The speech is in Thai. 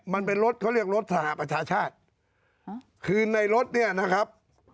มันเป็นรถเขาเรียกรถสหประชาชาติคือในรถเนี่ยนะครับ